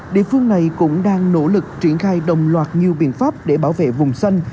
địa phương này cũng đang nỗ lực triển khai đồng loạt nhiều biện pháp để bảo vệ vùng xanh